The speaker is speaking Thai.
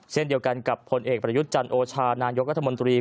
เช่นเดียวกันกับผลเอกประยุทธ์จันโอชานายกรัฐมนตรี